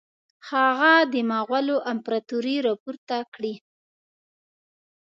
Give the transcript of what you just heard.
هغه د مغولو امپراطوري را پورته کړي.